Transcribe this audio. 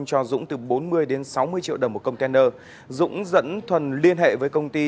cho dũng từ bốn mươi đến sáu mươi triệu đồng một container dũng dẫn thuần liên hệ với công ty